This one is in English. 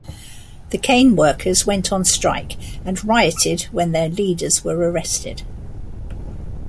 The cane workers went on strike and rioted when their leaders were arrested.